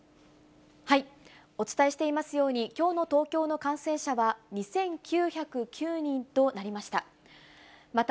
お伝えしていますように、きょうの東京の感染者は２９０９人となりました。